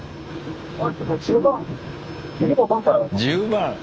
１０万！